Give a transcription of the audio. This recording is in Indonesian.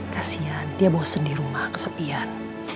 kasian dia bosen di rumah kesepian